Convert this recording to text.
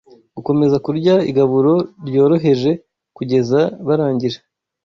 gukomeza kurya igaburo ryoroheje kugeza barangije